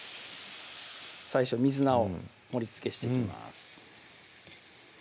最初水菜を盛りつけしていきます